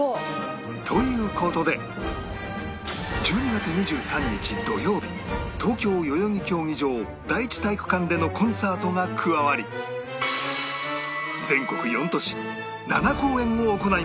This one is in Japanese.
という事で１２月２３日土曜日東京代々木競技場第一体育館でのコンサートが加わり全国４都市７公演を行います